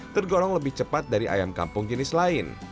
tergolong lebih cepat dari ayam kampung jenis lain